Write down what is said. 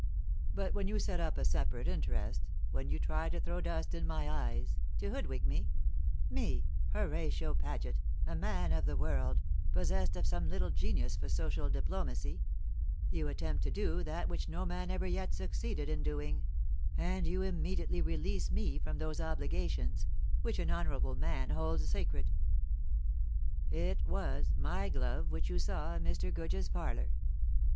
But when you set up a separate interest, when you try to throw dust in my eyes, to hoodwink me me, Horatio Paget, a man of the world, possessed of some little genius for social diplomacy you attempt to do that which no man ever yet succeeded in doing, and you immediately release me from those obligations which an honourable man holds sacred. It was my glove which you saw in Mr. Goodge's parlour.